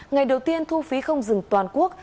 ngày đầu tiên thu phí không dừng toàn quốc